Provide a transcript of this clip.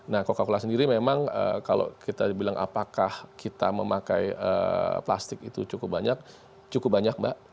nah coca cola sendiri memang kalau kita bilang apakah kita memakai plastik itu cukup banyak cukup banyak mbak